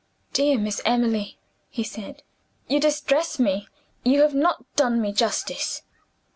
"Dear Miss Emily," he said, "you distress me: you have not done me justice.